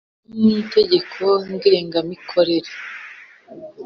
no mu Itegeko ngengamikorere